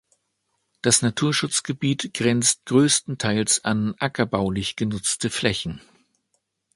Das Naturschutzgebiet grenzt größtenteils an ackerbaulich genutzte Flächen.